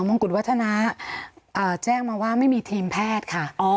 งกุฎวัฒนาแจ้งมาว่าไม่มีทีมแพทย์ค่ะ